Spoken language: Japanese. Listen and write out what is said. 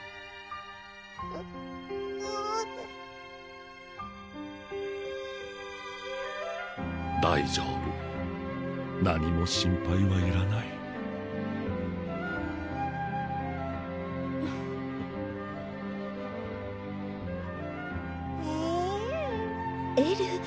ううぅ大丈夫何も心配はいらないえるぅエル